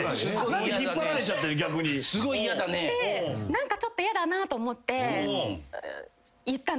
何かちょっと嫌だなと思って言ったんです